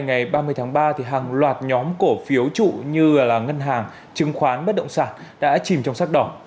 ngày ba mươi tháng ba hàng loạt nhóm cổ phiếu trụ như ngân hàng chứng khoán bất động sản đã chìm trong sắc đỏ